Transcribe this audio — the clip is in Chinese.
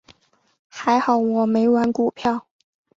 还好我没玩股票。